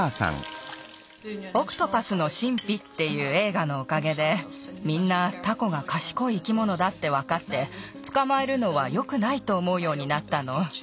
「オクトパスの神秘」っていうえいがのおかげでみんなタコがかしこい生き物だってわかってつかまえるのはよくないとおもうようになったの。